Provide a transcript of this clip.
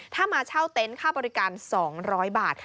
ถ้ามาเช่าเต็นต์ค่าบริการ๒๐๐บาท